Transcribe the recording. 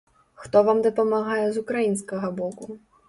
Хто вам дапамагае з украінскага боку?